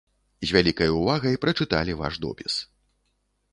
З вялікай увагай прачыталі ваш допіс.